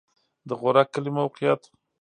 د غورک کلی موقعیت